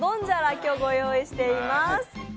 今日、ご用意しています。